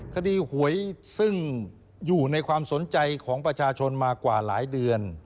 คดีหวยซึ่งอยู่ในความสนใจของประชาชนมากว่าหลายเดือน